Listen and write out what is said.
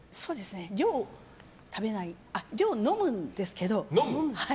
量、飲むんですけど。